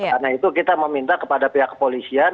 karena itu kita meminta kepada pihak kepolisian